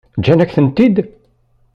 Ǧǧan-akent-ten-id?